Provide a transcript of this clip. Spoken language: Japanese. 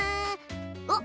おっ！